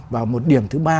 và một điểm thứ ba